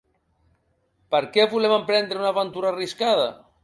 Per què volem emprendre una aventura arriscada?